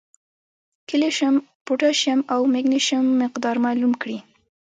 کېلشیم ، پوټاشیم او مېګنيشم مقدار معلوم کړي